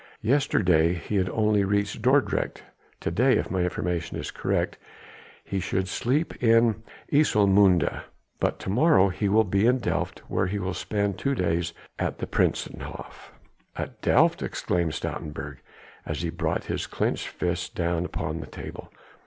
Yesterday he had only reached Dordrecht, to day if my information is correct he should sleep at Ijsselmunde. But to morrow he will be at Delft where he will spend two days at the Prinsenhof." "At Delft!" exclaimed Stoutenburg as he brought his clenched fist down upon the table.